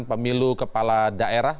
pemilu kepala daerah